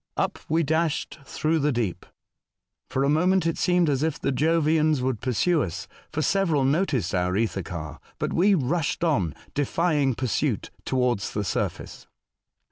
Up we dashed through the deep. For a moment it seemed as if the Jovians would pursue us, for several noticed our ether car. But we rushed on, defying pursuit towards the surface.